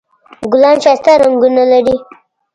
ګلان ښایسته رنګونه لري